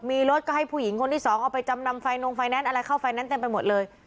มีรถก็ให้ผู้หญิงคนที่สองเอาไปจำนำไฟนงไฟแนนซ์อะไรเข้าไฟแนนซ์เต็มไปหมดเลย